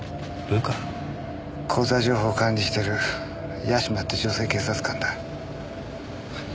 口座情報を管理してる屋島って女性警察官だ。